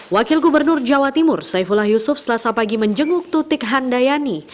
wakil gubernur jawa timur saifullah yusuf selasa pagi menjenguk tutik handayani